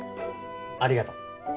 ありがとう。